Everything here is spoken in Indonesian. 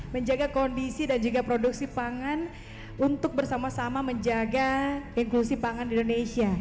menjaga kondisi dan juga produksi pangan untuk bersama sama menjaga inklusi pangan di indonesia